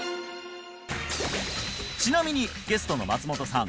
ちなみにゲストの松本さん